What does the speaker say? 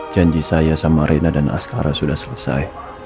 janji saya sama rena dan askara sudah selesai